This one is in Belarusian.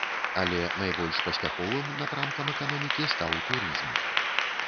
Але найбольш паспяховым напрамкам эканомікі стаў турызм.